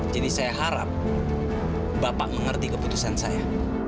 jadi saya harap bapak mengerti keputusan saya